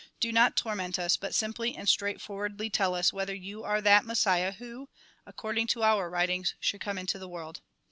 Do not torment us, but simply and straightforwardly tell us, whether you are that Messiah who, according to our writings, should come into the world."